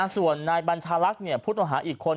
ส่วนนายบัญชาลักษณ์พุทธอาหารอีกคน